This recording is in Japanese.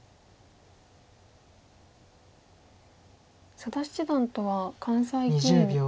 佐田七段とは関西棋院で。